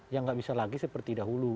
yang nggak bisa lagi seperti dahulu